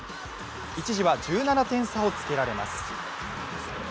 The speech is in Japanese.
一時は１７点差をつけられます。